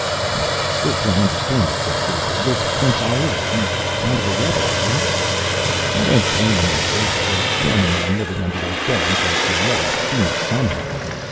"I still can't understand it," said Frayberg. "This Prince Ali, he's a kind of a rebel, eh?" "I don't blame him in a way. A normal man living under those domes has to let off steam somehow.